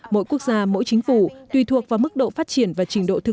mỗi quốc gia mỗi chính phủ tùy thuộc vào mức độ phát triển và trình độ thực